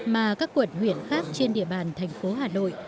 mà các quận huyện khác trên địa bàn thành phố hà nội